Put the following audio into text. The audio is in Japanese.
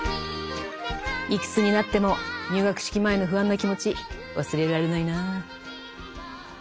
いくつになっても入学式前の不安な気持ち忘れられないなぁ。